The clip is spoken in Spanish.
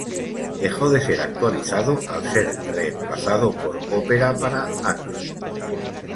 Dejó de ser actualizado al ser reemplazado por Opera para Android.